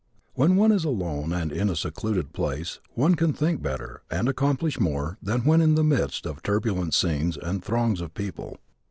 When one is alone and in a secluded place one can think better and accomplish more than when in the midst of turbulent scenes and throngs of people.